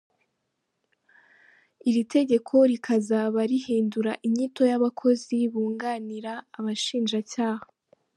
Iri tegeko rikazaba rihindura inyito y’abakozi bunganira Abashinjacyaha.